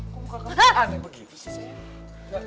kok buka kamar aneh begitu sih